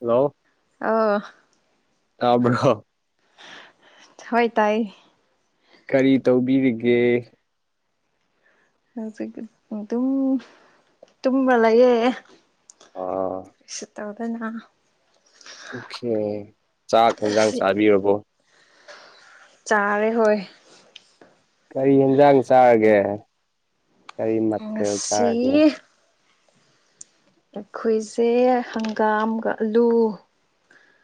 Hello ꯑ ꯇꯥꯕ꯭ꯔꯣ ꯍꯣꯏ ꯇꯥꯏ ꯀꯔꯤ ꯇꯧꯕꯤꯔꯤꯒꯦ ꯍꯧꯖꯤ ꯇꯨꯃꯂꯑꯦ ꯑꯥ ꯁꯤ ꯇꯗꯅ ꯑꯣꯀꯦ ꯆꯥꯛ ꯌꯦꯟꯁꯥꯡ ꯆꯥꯕꯤꯔꯕꯣ ꯆꯥꯔꯦ ꯍꯣꯏ ꯀꯔꯤ ꯌꯦꯟꯖꯥꯡ ꯆꯥꯒꯦ ꯀꯔꯤ ꯃꯊꯦꯜ ꯉꯁꯤ ꯆꯥꯒꯦ ꯑꯩꯈꯣꯏꯁꯦ ꯍꯪꯒꯥꯝꯒ ꯑꯂꯨ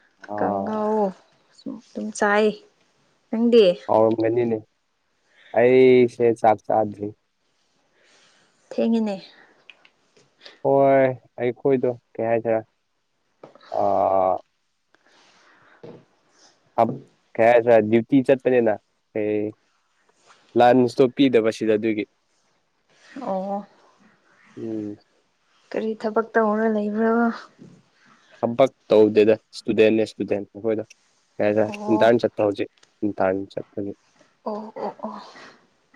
ꯑꯥ ꯀꯥꯡꯍꯧ ꯑꯗꯨꯝ ꯆꯥꯏ ꯅꯪꯗꯤ ꯑꯣ ꯃꯅꯤꯅꯦ ꯑꯩꯁꯦ ꯆ ꯆ ꯊꯦꯡꯉꯤꯅꯦ ꯍꯣꯏ ꯑꯩꯈꯣꯏꯗꯣ ꯀꯩ ꯍꯥꯏꯥꯏꯁꯤꯔꯦ ꯑ ꯎꯝ ꯑ ꯀꯁ ꯗ꯭ꯌꯨꯇꯤ ꯏ ꯆꯠꯄꯅꯤ ꯂꯥꯟꯁꯇꯣ ꯄꯤꯗꯕꯁꯤꯗ ꯑꯗꯨꯒꯤ ꯑꯣ ꯎꯝ ꯀꯔꯤ ꯊꯕꯛ ꯇꯧꯔ ꯂꯩꯕ꯭ꯔꯥ ꯊꯕꯛ ꯇꯧꯗꯦꯗ ꯏꯁꯇꯨꯗꯦꯟꯅꯦ ꯏꯁꯇꯨꯗꯦ ꯑꯩꯈꯣꯏꯗ ꯀꯩ ꯍꯥꯏꯇꯥꯔꯦ ꯑꯣ ꯟꯇꯅ ꯆꯠꯄ ꯍꯧꯖꯤꯛ ꯇꯥꯅꯤ ꯆꯠꯀꯅꯤ ꯑꯣ ꯑꯣ ꯑꯣ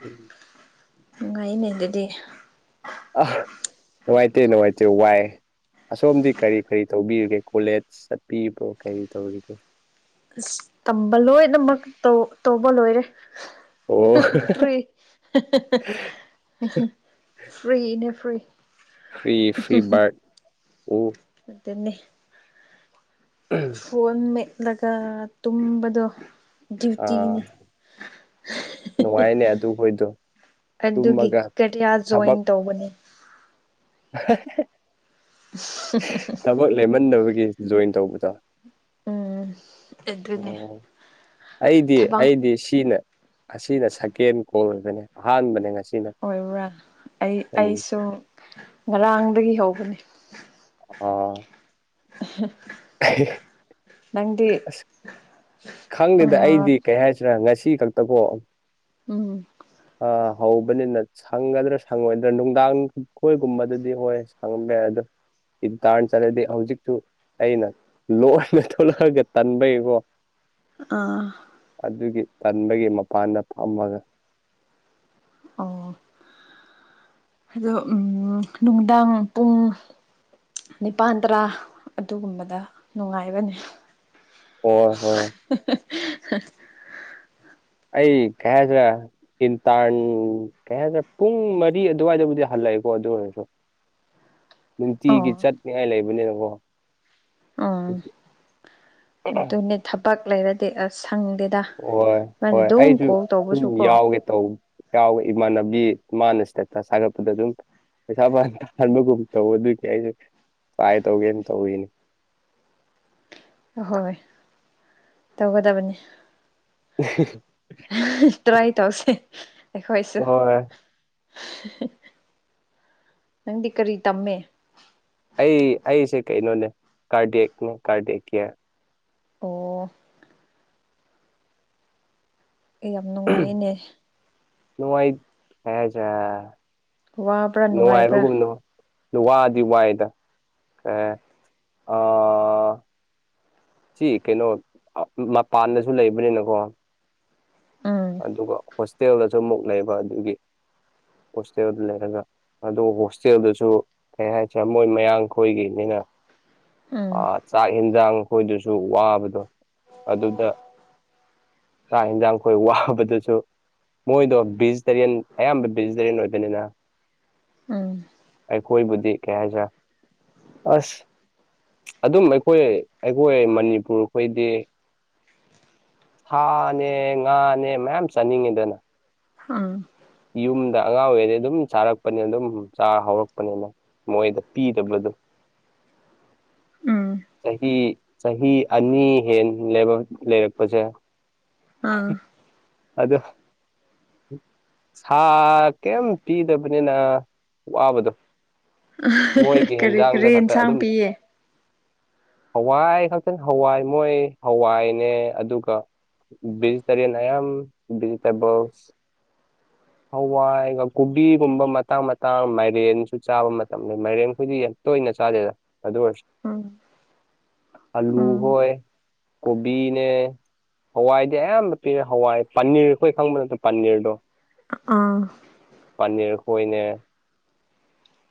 ꯎꯝ ꯅꯨꯡ ꯉꯥꯏꯅꯦ ꯑꯗꯨꯗꯤ ꯑ ꯅꯨꯡꯉꯥꯏꯇ ꯅꯨꯡꯉꯥꯏꯇ ꯋꯥꯏ ꯑꯁꯣꯝꯗꯤ ꯀꯔꯤ ꯀꯔꯤ ꯇꯧꯕꯤꯔꯤꯒꯦ ꯀꯣꯂꯦꯖ ꯆꯠꯄꯤꯕꯣ ꯀꯔꯤ ꯇꯧꯔꯤꯒꯦ ꯑꯁ ꯇꯝꯕ ꯂꯣꯏꯅꯃꯛ ꯇꯧꯕ ꯂꯣꯏꯔꯦ ꯑꯣ ꯐ꯭ꯔꯤ ꯐ꯭ꯔꯤꯅꯦ ꯐ꯭ꯔꯤ ꯐꯔꯤ ꯐꯔꯤꯕꯥꯠ ꯑꯣ ꯑꯗꯨꯅꯤ ꯐꯣꯟ ꯃꯦꯠꯂꯒ ꯇꯨꯝꯕꯗꯣ ꯗꯤ꯭ꯌꯨꯏꯇꯤꯅꯤ ꯑꯥ ꯅꯨꯡꯉꯥꯏꯅꯦ ꯑꯗꯨꯒꯩꯗꯣ ꯑꯗꯨꯒꯤ ꯀꯔꯌꯤ꯭ꯔ ꯖꯣꯏꯟ ꯇꯧꯕꯅꯦ ꯑꯍꯦ ꯍꯦ ꯍꯦ ꯊꯕꯛ ꯂꯩꯃꯟꯗꯕꯒꯤ ꯖꯣꯏꯟ ꯇꯧꯕꯗꯣ ꯎꯝ ꯑꯗꯨꯅꯦ ꯑꯣ ꯑꯩꯗꯤ ꯊꯕꯛ ꯑꯩꯗꯤ ꯁꯤꯅ ꯑꯁꯤꯅ ꯁꯀꯦꯟ ꯀꯣꯜꯗꯅꯦ ꯑꯍꯥꯟꯕꯅꯦ ꯉ ꯑꯣꯏꯕ꯭ꯔꯥ ꯑꯩ ꯑꯩꯁꯨ ꯉꯔꯥꯡꯗꯒꯤ ꯍꯧꯕꯅꯦ ꯑꯣ ꯑꯍꯥ ꯑꯍꯤ ꯍꯤ ꯅꯪꯗꯤ ꯈꯪꯗꯦꯗ ꯑꯥ ꯑꯩꯗꯤ ꯀꯩ ꯍꯥꯏꯁꯤꯔꯥ ꯉꯁꯤ ꯈꯛꯇꯕꯣ ꯎꯝ ꯍꯧꯕꯅꯤꯅ ꯁꯪꯒꯗ꯭ꯔꯥ ꯁꯪꯉꯣꯏꯗ꯭ꯔꯥ ꯅꯨꯡꯗꯥꯡ ꯑꯩꯈꯣꯏꯒꯨꯝꯕꯗꯗꯤ ꯍꯣꯏ ꯁꯪꯕ ꯌꯥꯏ ꯑꯗꯣ ꯏꯟꯇꯥ꯭ꯔꯟ ꯆꯠꯂꯗꯤ ꯍꯧꯖꯤꯛꯁꯨ ꯑꯩꯅ ꯂꯣꯟꯅ ꯊꯣꯛꯂꯛꯑꯒ ꯇꯟꯕꯩꯀꯣ ꯑꯥ ꯇꯟꯕꯒꯤ ꯃꯄꯥꯟꯗ ꯐꯝꯃꯒ ꯑꯣ ꯑꯗꯣ ꯎꯝ ꯅꯨꯡꯗꯥꯡ ꯄꯨꯡ ꯅꯤꯄꯥꯟ ꯇꯔꯥ ꯑꯗꯨꯒꯨꯝꯕꯗ ꯅꯨꯡꯉꯥꯏꯕꯅꯦ ꯑꯣ ꯍꯣꯏ ꯍꯦ ꯑꯩ ꯀꯩ ꯍꯥꯏꯒꯗꯔ ꯏꯟꯇꯟ ꯀꯩ ꯍꯥꯏꯒ ꯄꯨꯡ ꯃꯔꯤ ꯑꯗꯨꯋꯥꯏꯗꯕꯨꯗꯤ ꯍꯜꯂꯛꯑꯦꯀꯣ ꯑꯗꯨ ꯑꯣꯏꯔꯁꯨ ꯑꯣ ꯅꯨꯡꯇꯤꯒꯤ ꯆꯠꯅꯤꯉꯥꯏ ꯂꯩꯕꯅꯦꯀꯣ ꯎꯝ ꯑꯗꯨꯅꯦ ꯊꯕꯛ ꯂꯩꯔꯗꯤ ꯑꯁ ꯁꯪꯗꯦꯗ ꯑꫭꯏ ꯃꯥꯅ ꯍꯣꯏ ꯑꯗꯨꯝ ꯑꯩꯁꯨ ꯀꯣꯜ ꯁꯨꯝ ꯇꯧꯕꯁꯨ ꯀꯣ ꯌꯥꯎꯒꯦ ꯇꯧ ꯌꯥꯎꯋꯦ ꯏꯃꯥꯟꯅꯕꯤ ꯃꯥꯅ ꯏꯁꯇꯦꯇ꯭ꯁ ꯊꯥꯒꯠꯄꯗ ꯑꯗꯨꯝ ꯄꯩꯁꯥ ꯃꯌꯥꯝ ꯇꯟꯥꯕꯒꯨꯝ ꯇꯧꯕ ꯑꯗꯨꯏꯅꯦ ꯑꯩꯁꯨ ꯇꯔꯥꯏ ꯇꯧꯒꯦꯅ ꯇꯧꯔꯤꯅꯤ ꯑꯍꯣꯏ ꯇꯧꯒꯗꯕꯅꯤ ꯇꯔꯥ꯭ꯏ ꯇꯧꯁꯦ ꯑꯩꯈꫭꯏꯁꯨ ꯍꯣꯏ ꯅꯪꯗꯤ ꯀꯔꯤ ꯇꯝꯃꯦ ꯑꯩ ꯑꯩꯁꯦ ꯀꯩꯅꯣꯅꯦ ꯀꯥꯔꯗꯦꯛꯅꯦ ꯀꯥꯔꯗꯦꯛꯀꯤꯌꯔ ꯑꯣ ꯌꯥꯝ ꯅꯨꯡꯉꯥꯏꯌꯦꯅꯦ ꯅꯨꯡꯉꯥꯏ ꯕꯍꯥꯏꯖꯦ ꯋꯥꯕ꯭ꯔꯥ ꯅꯨꯡꯉꯥꯏꯕ꯭ꯔꯥ ꯑꯗꯨ ꯋꯥꯗꯤ ꯋꯥꯏꯗ ꯑꯦ ꯑ ꯁꯤ ꯀꯩꯅꯣ ꯑ ꯃꯄꯥꯟꯗꯁꯨ ꯂꯩꯕꯅꯤꯅꯀꯣ ꯎꯝ ꯑꯗꯨꯒ ꯍꯣꯁꯇꯦꯜꯗꯖꯨ ꯑꯃꯨꯛ ꯂꯩꯕ ꯑꯗꯨꯒꯤ ꯍꯣꯁꯇꯦꯜꯗ ꯂꯩꯔꯒ ꯑꯗꯨ ꯍꯣꯁꯇꯦꯜꯗꯨꯁꯨ ꯀꯩ ꯍꯥꯏꯁꯦ ꯃꯣꯏ ꯃꯌꯥꯡꯈꯣꯏꯒꯤꯅꯤꯅ ꯎꯝ ꯑꯥ ꯆꯥꯛꯏꯟ ꯌꯥꯝ ꯀꯨꯏꯗꯔꯁꯨ ꯋꯥꯕꯗꯣ ꯑꯗꯨꯗ ꯆꯥꯛ ꯌꯦꯟꯖꯥꯡ ꯈꯣꯏ ꯋꯥ ꯐꯕꯗꯁꯨ ꯃꯣꯏꯗꯣ ꯚꯦꯖꯤꯇꯦꯔꯤꯌꯟ ꯑꯌꯥꯝꯕ ꯚꯦꯖꯤꯇꯦꯔꯤꯌꯟ ꯑꯣꯏꯗꫭꯏꯅꯤꯅ ꯎꯝ ꯑꯩꯈꫭꯏꯕꯨꯗꯤ ꯀꯩꯍꯥꯏꯖ ꯑꯁ ꯑꯗꯨꯝ ꯑꯩꯈꯣꯏ ꯑꯩꯈꯣꯏ ꯃꯅꯤꯄꯨꯔꯈꯣꯏꯗꯤ ꯊꯅꯦ ꯉꯥꯅꯦ ꯃꯌꯥꯝ ꯆꯥꯅꯤꯡꯉꯤꯗꯅ ꯑꯥ ꯌꯨꯝꯗ ꯑꯉꯥꯡ ꯑꯣꯏꯔꯤꯉꯩ ꯑꯗꯨꯝ ꯆꯥꯔꯛꯄꯅꯤꯅ ꯑꯗꯨꯝ ꯆꯥ ꯍꯧꯔꯛꯄꯅꯤꯅ ꯃꯣꯏꯗ ꯄꯤꯗꯕꯗꯣ [inaudible] ꯎꯝ ꯆꯍꯤ ꯆꯍꯤ ꯑꯅꯤ ꯍꯦꯟ ꯂꯩꯔꯛꯄꯁꯦ ꯑꯥ ꯑꯗꯣ ꯁꯥ ꯀꯔꯤꯝ ꯄꯤꯗꯕꯅꯤꯅ ꯋꯥꯕꯗꯣ ꯃꯣꯏꯒꯤ ꯀꯔꯤ ꯍꯟꯖꯥꯡꯗ ꯀꯔꯤ ꯈꯛꯇ ꯌꯦꯟꯁꯥꯡ ꯑꯗꯨꯝ ꯄꯤꯌꯦ ꯍꯋꯥꯏ ꯈꯥꯛꯆꯪ ꯍꯋꯥꯏ ꯃꯣꯏ ꯍꯋꯥꯏꯅꯦ ꯑꯗꯨꯒ ꯕꯤꯖꯤ ꯇꯔ ꯅꯌꯥꯝꯝ ꯕꯤꯖꯤꯇꯔ ꯣꯁ ꯍꯋꯥꯏꯒ ꯀꯣꯕꯤꯒꯨꯝꯕ ꯃꯇꯥꯡ ꯃꯇꯥꯡ ꯃꯥꯏꯔꯦꯟꯁꯨ ꯆꯥꯕ ꯃꯇꯝ ꯃꯥꯏꯔꯦꯟꯈꯣꯏꯗꯤ ꯌꯥꯝ ꯇꯣꯏꯅ ꯆꯗꯗ ꯑꯗꯨꯁ ꯎ ꯑꯂꯨ ꯍꯣꯏ ꯀꯣꯕꯤꯅꯦ ꯍꯋꯥꯏꯗꯤ ꯑꯌꯥꯝꯕ ꯄꯤꯔꯦ ꯍꯋꯥꯏ ꯄꯅꯤꯔ ꯑꯩꯈꯣꯏ ꯈꯪꯕ ꯅꯠꯇ ꯄꯅꯤꯔꯗꯣ ꯑꯥ ꯄꯅꯤꯔꯈꯣꯏꯅꯦ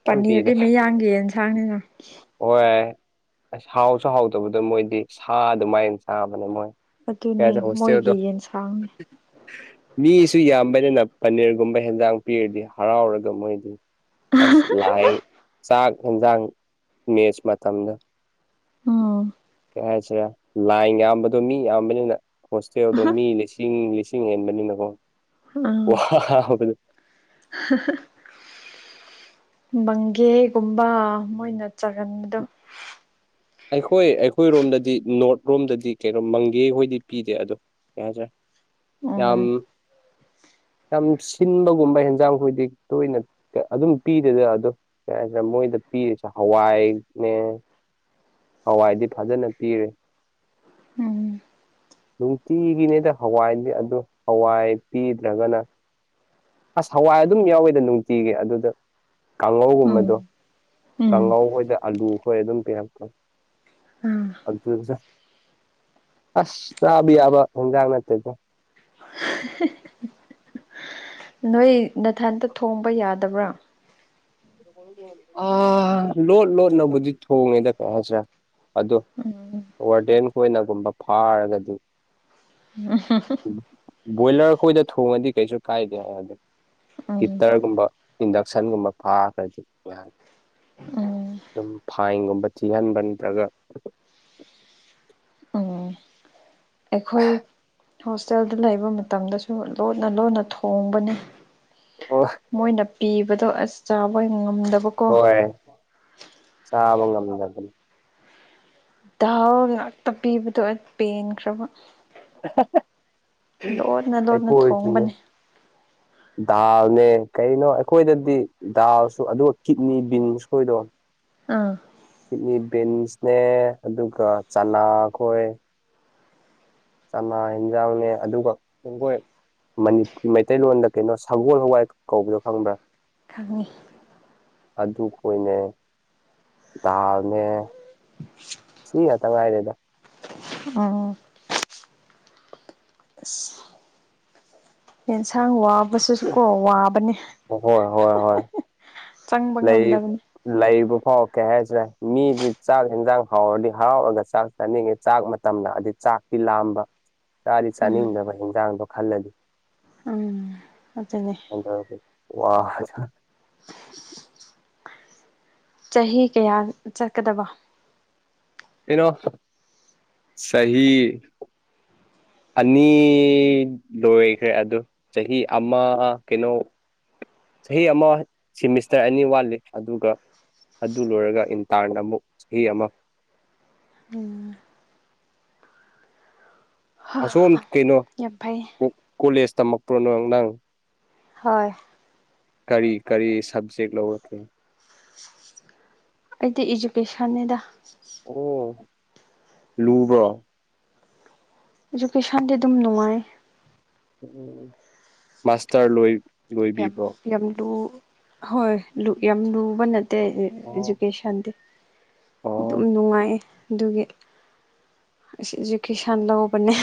ꯄꯅꯤꯔꯗꯤꯩ ꯃꯩ ꯌꯥꯡꯒꯦꯅ ꯁꯥꯡꯅꯤꯅ ꯍꯣꯏ ꯑꯁ ꯍꯥꯎꯁꯨ ꯍꯥꯎꯗꯕꯗꯣ ꯃꯣꯏꯗꯤ ꯁꯥ ꯑꯗꯨꯃꯥꯏꯅ ꯆꯥꯕꯅꯦ ꯃꯣꯏ ꯑꯗꯨꯅꯦ ꯀꯁ ꯍꯣꯁꯇꯗ ꯃꯣꯏꯒꯤ ꯌꯦꯟꯁꯥꯡꯅꯤ ꯃꯤꯁꯨ ꯌꯥꯝꯕꯅꯤꯅ ꯄꯅꯤꯔꯒꯨꯝꯕ ꯍꯦꯟꯖꯥꯡ ꯄꯤꯔꯗꯤ ꯍꯔꯥꯎꯔꯒ ꯃꯣꯏꯗꯤ ꯑꯁ ꯂꯥꯛ ꯆꯥꯛ ꯌꯦꯟꯁꯥꯡ ꯃꯦꯆ ꯃꯇꯝꯗ ꯎꯝ ꯀꯩ ꯍꯥꯏꯁꯤꯔꯦ ꯂꯥꯏ ꯌꯥꯝꯕꯗꯣ ꯃꯤ ꯌꯥꯝꯕꯅꯤꯅ ꯍꯣꯁꯇꯦꯜꯗꯣ ꯃꯤ ꯂꯤꯁꯤꯡ ꯂꯤꯁꯤꯡ ꯍꯦꯟꯕ ꯅꯤ ꯅꯀꯣ ꯋꯥ n. ꯕꯪꯒꯦꯒꯨꯝꯕ ꯃꯣꯏꯅ ꯆꯥꯒꯟꯕꯗꯣ ꯑꯩꯈꯣꯏ ꯑꯩꯈꯣꯏꯔꯣꯝꯗꯗꯤ ꯅꯣꯔꯠ ꯔꯣꯝꯗꯗꯤ ꯀꯩꯅꯣ ꯃꯪꯒꯦ ꯍꯣꯏꯗꯤ ꯄꯤꯗꯦ ꯑꯗꯣ ꯀꯦꯖꯦ ꯎꯝ [inaudible] ꯌꯥꯝ ꯁꯤꯟꯕꯒꯨꯝꯕ ꯍꯦꯟꯖꯥꯡꯈꯣꯏꯗꯤ ꯇꯣꯏꯅ ꯑꯗꯨꯝ ꯄꯤꯗꯦꯗ ꯑꯗꯣ ꯀꯩ ꯍꯥꯏꯁꯤꯔ ꯃꯣꯏꯗ ꯄꯤꯔ ꯍꯋꯥꯏꯅꯦ ꯍꯋꯥꯏꯗꯤ ꯐꯖꯅ ꯄꯤꯔꯦ ꯎꯝ ꯅꯨꯡꯇꯤꯒꯤꯅꯤꯗ ꯍꯋꯥꯏ ꯑꯗꯨ ꯍꯋꯥꯏ ꯄꯤꯗ꯭ꯔꯒꯅ ꯑꯁ ꯍꯋꯥꯏ ꯑꯗꯨꯝ ꯌꯥꯎꯋꯤꯗ ꯅꯨꯡꯇꯤꯒꯤ ꯑꯗꯨꯗ ꯎꯝ ꯀꯥꯡꯍꯧꯒꯨꯝꯕꯗꯣ ꯎꯝ ꯀꯥꯡꯉꯧꯈꯣꯏꯗ ꯑꯥꯂꯨ ꯈꯣꯏ ꯑꯗꯨꯝ ꯀꯤꯔꯄ ꯑꯥ ꯑ ꯀꯁ ꯑꯁꯕꯤ ꯌꯥꯕ ꯍꯖꯥꯡ ꯅꯠꯇꯖ [inaudible] ꯅꯣꯏ ꯅꯊꯟꯇ ꯊꯣꯡꯕ ꯌꯥꯗꯕ꯭ꯔꯥ ꯑ ꯂꯣꯠ ꯂꯣꯠ ꯅꯕꯨ ꯊ ꯉꯗ ꯀꯩꯅꯁ ꯑꯗꯨꯣ ꯎꯝ ꯋꯥꯔꯗꯦꯟ ꯈꯣꯏꯅꯒꯨꯝꯕ ꯐꯥꯔꯒꯗꯤ ꯎ ꯕꯣꯏꯂꯔ ꯑꯩꯈꯣꯏꯗ ꯊꯣꯡꯉꯗꯤ ꯀꯩꯁꯨ ꯀꯥꯏꯗꯦ ꯍꯥꯏꯔꯗꯤ ꯎꯝ ꯍꯤꯇꯔꯒꯨꯝꯕ ꯏꯟꯗꯛꯁꯟꯒꯨꯝꯕ ꯐꯥꯈ꯭ꯔꯗꯤ ꯌꯥꯅꯤ ꯎꯝ ꯑꯗꯨꯝ ꯐꯥꯏꯟꯒꯨꯝꯕ ꯊꯤꯍꯟꯕ ꯅꯠꯇ꯭ꯔꯒ ꯎꯝ ꯑꯩꯈꯣꯏ ꯍꯣꯁꯇꯦꯜꯗ ꯂꯩꯕ ꯃꯇꯝꯗꯁꯨ ꯂꯣꯟꯅ ꯂꯣꯟꯅ ꯊꯣꯡꯕꯅꯤ ꯑꯣ ꯃꯣꯏꯅ ꯄꯤꯕꯗꯣ ꯑꯁ ꯆꯥꯕ ꯉꯝꯅ ꯍꯣꯏ ꯆꯥꯕ ꯉꯝꯗ ꯑꯗꯨꯝ ꯗꯥꯎ ꯉꯥꯛꯇ ꯄꯤꯕꯗꯣ ꯑꯩ ꯄꯦꯟꯈ꯭ꯔꯕ ꯂꯣꯟꯅ ꯂꯣꯟꯅ ꯑꯩꯈꯣꯏꯁꯨꯅꯦ ꯊꯣꯡꯕꯅꯦ ꯗꯥꯜꯅꯦ ꯀꯩꯅꯣ ꯑꯩꯈꯣꯏꯗꯗꯤ ꯗꯥꯜꯁꯨ ꯑꯗꯨꯒ ꯀꯤꯠꯅꯤ ꯕꯤꯟꯁ ꯈꯣꯏꯗꯣ ꯑꯥ ꯆ ꯦꯟ ꯅꯦ ꯑꯗꯨꯒ ꯆꯅꯥ ꯈꯣꯏ ꯆꯃ ꯌꯦꯟꯖꯥꯡꯅꯦ ꯑꯗꯨꯒꯣꯏ ꯃꯅꯤꯄꯨꯔꯤ ꯃꯩꯇꯩꯂꯣꯟꯗ ꯀꯩꯅꯣ ꯁꯒꯣꯜ ꯍꯋꯥꯏ ꯀꯧꯕꯗꯣ ꯈꯪꯕ꯭ꯔꯥ ꯈꯪꯉꯤ ꯑꯗꯨꯈꯣꯏꯅꯦ ꯗꯥꯜꯅꯦ ꯁꯤ ꯇꯉꯏ ꯂꯩꯗ ꯑꯣ ꯑꯦꯟꯁꯥꯡ ꯋꯥꯕꯕꯁꯤꯁꯨ ꯀꯣ ꯋꯥꯕꯅꯦ ꯍꯣꯏ ꯍꯣꯏ ꯍꯣꯏ ꯆꯪꯕ ꯂꯩ ꯉꯝꯗꯕꯅꯦ ꯂꯩꯕ ꯐꯥꯎ ꯀꯩ ꯍꯥꯏꯁꯤꯔꯦ ꯃꯤꯗꯤ ꯆꯥꯛ ꯌꯦꯟꯖꯥꯡ ꯍꯥꯎꯔꯗꯤ ꯍꯔꯥꯎꯔꯒ ꯆꯥꯛ ꯆꯥꯅꯤꯡꯉꯦ ꯆꯥꯛ ꯃꯇꯝꯗ ꯍꯥꯏꯗꯤ ꯆꯥꯛ ꯂꯥꯝꯕ ꯆꯥꯗꯤ ꯎꯝ ꯆꯥꯅꯤꯡꯗꯕ ꯍꯤꯟꯖꯥꯡꯗꯣ ꯈꯜꯂꯗꯤ ꯎꯝ ꯑꯗꯨꯅꯦ ꯋꯥ ꯆꯍꯤ ꯀꯌꯥ ꯆꯠꯀꯗꯕ ꯀꯩꯅꯣ ꯁꯍꯤ ꯑꯅꯤ ꯂꯣꯏꯈ꯭ꯔꯦ ꯑꯗꯨ ꯆꯍꯤ ꯑꯃ ꯀꯩꯅꯣ ꯆꯍꯤ ꯑꯃ ꯁꯤꯃꯤꯁꯇꯔ ꯑꯅꯤ ꯋꯥꯠꯂꯤ ꯑꯗꯨꯒ ꯑꯗꯨ ꯂꯣꯏꯔꯒ ꯏꯟꯇꯥꯔꯟ ꯑꯃꯨꯛ ꯆꯍꯤ ꯑꯃ ꯎꯝ ꯍꯥ ꯑꯁꯣꯝ ꯀꯩꯅꯣ ꯌꯥꯝ ꯐꯩ ꯀꯣꯂꯦꯖ ꯇꯝꯃꯛꯄ꯭ꯔꯣꯅꯣ ꯅꯪ ꯍꯣꯏ ꯀꯔꯤ ꯀꯔꯤ ꯁꯕꯖꯦꯛ ꯂꯧꯔꯛꯀꯦ ꯑꯩꯗꯤ ꯑꯦꯖꯨꯀꯦꯁꯟ ꯑꯦꯗ ꯑꯣ ꯂꯨꯕ ꯑꯦꯖꯨꯀꯦꯁꯟꯗꯤ ꯑꯗꯨꯝ ꯅꯨꯡꯉꯥꯏ ꯃꯥꯥꯁꯇꯔ ꯂꯣꯏ ꯌꯥꯝ ꯂꯣꯏꯕꯤꯕ꯭ꯔꯣ ꯌꯥꯝ ꯂꯨ ꯍꯣꯏ ꯌꯥꯝ ꯂꯨꯕ ꯅ ꯑꯣ ꯏꯖꯨꯀꯦꯁꯟꯗꯤ ꯑꯗꯨꯝ ꯑꯣ ꯅꯨꯡꯉꯥꯏꯌꯦ ꯑꯗꯨꯒꯤꯁ ꯏꯖꯨꯀꯦꯁꯟ ꯂꯧꯕꯅꯦ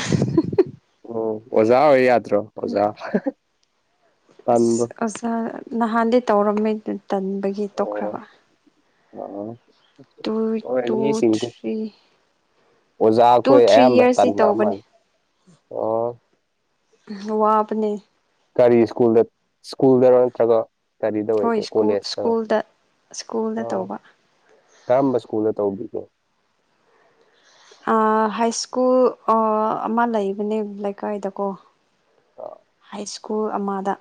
ꯑꯣ ꯑꯣꯖꯥ ꯑꯣꯏ ꯌꯥꯗ꯭ꯔꯣ ꯑꯣꯖꯥ ꯇꯟꯕꯨ ꯑꯁ ꯑꯣꯖꯥ ꯅꯍꯥꯟꯗꯤ ꯇꯧꯔꯝ ꯇꯟꯕꯒꯤ ꯇꯣꯛꯈ꯭ꯔꯕ ꯇꯨ ꯇꯨ ꯑꯁꯤꯡꯁ ꯊ꯭ꯔꯤ ꯇꯨ ꯑꯣꯖꯥꯈꯣꯏ ꯊ꯭ꯔꯤ ꯑꯌꯥꯝꯕ ꯌꯔꯁꯇꯤ ꯇꯟꯅ ꯇꯧꯕꯅꯦ ꯑꯃꯅꯤ ꯑꯣ ꯋꯥꯅꯦ ꯀꯔꯤ ꯁ꯭ꯀꯨꯜꯗ ꯁ꯭ꯀꯨꯜꯗꯔꯣ ꯅꯠꯇ꯭ꯔꯒ ꯀ ꯀꯔꯤꯗ ꯍꯣꯏ ꯑꯣꯏꯒꯦ ꯁ꯭ꯀꯨꯜ ꯀꯣꯂꯦꯖꯇ ꯁ꯭ꯀꯨꯜꯗ ꯁ꯭ꯀꯨꯜꯗ ꯇꯧꯕ ꯀꯔꯝꯕ ꯁ꯭ꯀꯨꯜꯗ ꯇꯧꯕꯤꯌꯦ ꯍꯥꯏ ꯁ꯭ꯀꯨꯜ ꯑꯃ ꯂꯩꯕꯅꯦ ꯂꯩꯀꯥꯏꯗꯀꯣ ꯑ ꯍꯥꯏ ꯁ꯭ꯀꯨꯜ ꯑꯃꯗ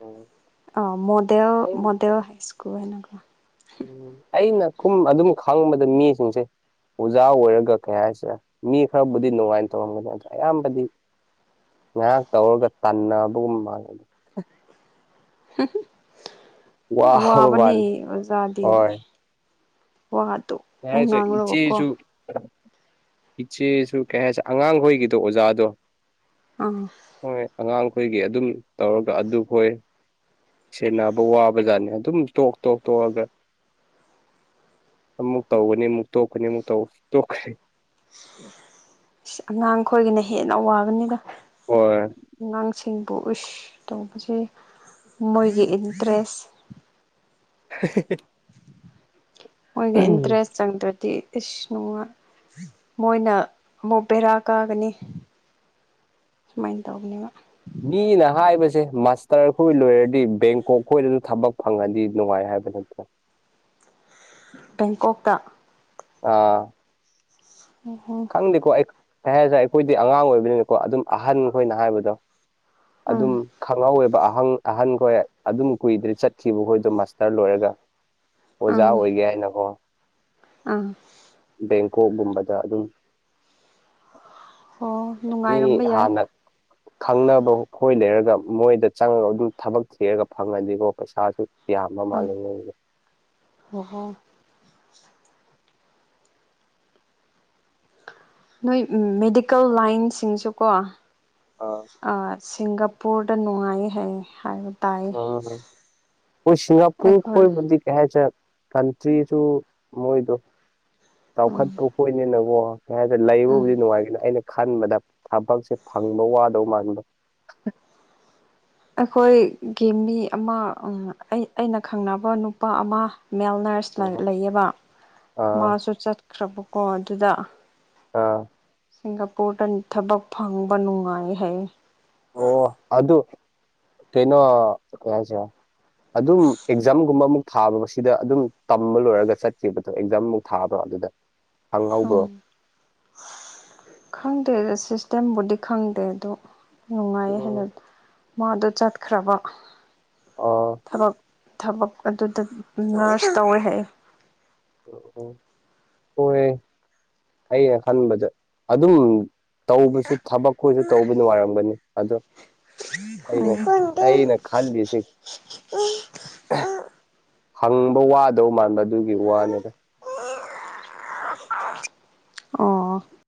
ꯑꯣ ꯑ ꯃꯗꯦ ꯃꯗꯦ ꯍꯥꯏ ꯁꯀꯨ ꯍ ꯈꯨꯝ ꯑꯗꯨꯝ ꯈꯥꯡꯕꯗ ꯃꯤꯁꯤꯡꯁꯦ ꯑꯣꯖꯥ ꯑꯣꯏꯔꯒ ꯀꯩ ꯍꯥꯏꯁꯦ ꯃꯤ ꯈꯔꯕꯨꯗꯤ ꯅꯨꯡꯉꯥꯏꯅ ꯇꯧꯔꯝꯒꯅꯤ ꯑꯗꯣ ꯑꯌꯥꯝꯕꯗꯤ ꯉꯥꯏꯍꯥꯛ ꯇꯧꯔꯒ ꯇꯟꯅꯕꯒꯨꯝꯕ ꯃꯥꯡꯅꯅꯤ ꯋꯥ ꯋꯥꯕ ꯃꯥꯜꯂꯦ ꯋꯥꯕꯅꯤꯖꯥꯗꯤ ꯌꯥ ꯆ ꯏꯆꯦꯁꯨ ꯏꯆꯦꯁꯨ ꯀꯩ ꯍꯥꯏꯁꯦ ꯑꯉꯥꯡꯈꯣꯏꯒꯤꯗꯣ ꯑꯣꯖꯥꯗꯣ ꯑꯥ ꯍꯣꯏ ꯑꯉꯥꯡꯈꯣꯏꯒꯤ ꯑꯗꯨꯝ ꯇꯧꯔꯒ ꯑꯗꯨꯈꯣꯏ ꯁꯦꯕ ꯋꯥꯕ ꯖꯥꯠꯅꯦ ꯑꯗꯨꯝ ꯇꯣꯛ ꯇꯣꯛ ꯇꯣꯛꯑꯒ ꯑꯃꯨꯛ ꯇꯧꯒꯅꯤ ꯑꯃꯨꯛ ꯇꯣꯛꯀꯅꯤ ꯑꯃꯨꯛ ꯇꯈ꯭ꯔꯦ ꯑꯉꯥꯡ ꯈꯣꯏꯒꯤꯅ ꯍꯦꯟꯅ ꯋꯥꯒꯅꯤꯗ ꯍ ꯄꯨꯁ ꯇꯧꯕꯁꯦ ꯃꯣꯏꯒꯤ ꯏꯟꯇꯔꯦꯁ [inaudible] ꯃꯣꯏꯒꯤ ꯏꯟꯇꯔꯦꯁ ꯆꯪꯗ꯭ꯔꯗꯤ ꯏꯁ ꯅꯨꯡꯉ ꯃꯣꯏꯅ ꯑꯃꯨꯛ ꯕꯦꯔꯥ ꯀꯥꯒꯅꯤ ꯁꯨꯃꯥꯏꯅ ꯇꯧꯅꯦꯕ ꯃꯤꯅ ꯍꯥꯏꯕꯁꯦ ꯃꯥꯁꯇꯔ ꯈꯣꯏ ꯂꯣꯏꯔꯗꯤ ꯕꯦꯡꯀꯣꯛ ꯈꯣꯏꯗꯅ ꯊꯕꯛ ꯐꯪꯉꯗꯤ ꯅꯨꯡꯉꯥꯏ ꯍꯥꯏꯕ ꯅꯠꯇ꯭ꯔꯦ ꯕꯦꯡꯀꯣꯛꯇ ꯑꯥ ꯑꯣꯍꯣ ꯈꯪꯗꯦꯀꯣ ꯑꯩ ꯁꯩ ꯍꯥꯏꯁꯦ ꯑꯩꯈꯣꯏꯗꯤ ꯑꯉꯥꯡ ꯑꯣꯏꯕꯅꯤꯅꯀꯣ ꯑꯗꯨꯝ ꯑꯍꯟ ꯈꯣꯏꯅ ꯍꯥꯏꯕꯗꯣ ꯎꯝ ꯑꯗꯨꯝ ꯈꯪꯍꯧꯋꯦꯕ ꯑꯍ ꯑꯍꯟꯈꯣꯏ ꯑꯗꯨꯝ ꯀꯨꯏꯗ꯭ꯔꯦ ꯆꯠꯈꯤꯕꯈꯣꯏꯗꯣ ꯃꯥꯁꯇꯔ ꯂꯣꯏꯔꯒ ꯑꯣꯖꯥ ꯑꯣꯏꯒꯦ ꯍꯥꯏꯅꯀꯣ ꯑꯥ ꯕꯦꯡꯀꯣꯛꯒꯨꯝꯕꯗ ꯑꯗꯨꯝ ꯍꯣ ꯃꯤ ꯅꯨꯡꯉꯥꯏꯔꯝꯕ ꯌꯥꯏ ꯍꯥꯟꯅ ꯈꯪꯅꯕ ꯑꯩꯣꯏ ꯂꯩꯔꯒ ꯃꯣꯏꯗ ꯆꯪꯉꯒ ꯑꯗꯨ ꯊꯕꯛ ꯊꯤꯔꯒ ꯐꯪꯉꯅꯤꯀꯣ ꯄꯩꯁꯥꯁꯨ ꯀ ꯑꯃ ꯎꯝ ꯃꯥꯂ ꯂꯩꯦ ꯑꯣꯍꯣ [unintelligible] ꯅꯣꯏ ꯃꯦꯗꯤꯀꯦꯜ ꯂꯥꯏꯟꯁꯤꯡꯁꯨꯀꯣ ꯑꯥ ꯁꯤꯡꯒꯥꯄꯨꯔꯗ ꯅꯨꯡꯉꯥꯏ ꯍꯥꯏꯩ ꯍꯥꯏꯕ ꯇꯥꯏ ꯑꯩꯣꯏ ꯁꯤꯁꯤꯡꯒꯥꯄꯨꯔ ꯀꯣꯏ ꯑꯩꯈꯣꯏ ꯀꯦ ꯆ ꯀꯟꯇ꯭ꯔꯤꯁꯨ ꯃꯣꯏꯗꯣ ꯎꯝ ꯆꯥꯎꯈꯠꯄ ꯈꯣꯏꯅꯦꯅꯀꯣ ꯍꯥꯏ ꯂꯩꯕꯕꯨꯗꯤ ꯎꯝ ꯅꯨꯡꯉꯥꯏꯒꯅ ꯑꯩꯅ ꯈꯟꯕꯗ ꯊꯕꯛꯁꯦ ꯐꯪꯕ ꯋꯥꯗꯧ ꯃꯥꯟꯕ ꯑꯩꯈꯣꯏꯒꯤ ꯃꯤ ꯑꯃ ꯑꯩ ꯑꯩꯅ ꯈꯪꯅꯕ ꯅꯨꯄꯥ ꯑꯃ ꯃꯦꯜ ꯅꯔꯁ ꯂꯩꯌꯦꯕ ꯑꯥ ꯃꯥꯁꯨ ꯆꯠꯈ꯭ꯔꯕꯀꯣ ꯑꯗꯨꯗ ꯑꯥ ꯁꯤꯡꯒꯥꯄꯨꯔꯗ ꯊꯕꯛ ꯐꯪꯕ ꯅꯨꯡꯉꯥꯏ ꯍꯥꯏ ꯑꯣ ꯑꯗꯨ ꯑꯗꯨ ꯇꯅꯣ ꯀꯁ ꯑꯗꯨꯝ ꯑꯦꯛꯖꯥꯝꯒꯨꯝꯕ ꯑꯃꯨꯛ ꯊꯥꯕ ꯁꯤꯗ ꯑꯗꯨꯝ ꯇꯝꯕ ꯂꯣꯏꯔꯒ ꯆꯠꯕꯗꯣ ꯑꯦꯛꯖꯥꯝꯃꯨꯛ ꯊꯥꯕ ꯑꯗꯨꯗ ꯎꯝ ꯐꯪꯍꯧꯕ꯭ꯔꯣ ꯈꯪꯗꯦ ꯁꯤ ꯁꯤꯁꯇꯦꯝꯕꯨꯗꯤ ꯈꯪꯗꯦ ꯑꯗꯣ ꯅꯨꯡꯉꯥꯏꯌꯦ ꯎꯝ ꯍꯥꯏꯟꯅ ꯃꯥꯗꯣ ꯆꯠꯈ꯭ꯔꯕ ꯑꯥ ꯊꯕꯛ ꯊꯕꯛ ꯑꯗꯨꯗ ꯅꯔꯁ ꯇꯧꯋꯦ ꯍꯥꯏ ꯑꯣ ꯍꯣꯏ ꯑꯩ ꯍꯥꯟꯕꯗ ꯑꯗꯨꯝ ꯇꯧꯕꯁꯨ ꯊꯕꯛ ꯈꯣꯏꯁꯨ ꯇꯧꯕ ꯅꯨꯡꯉꯥꯏꯔꯝꯒꯅꯤ ꯑꯗꯣ ꯍ ꯑꯩꯅ ꯈꯜꯂꯤꯁꯤ ꯍꯪꯕ ꯋꯥꯗꯧ ꯃꯥꯟꯕ ꯑꯗꯨꯒꯤ ꯋꯥꯅꯦꯕ ꯑꯣ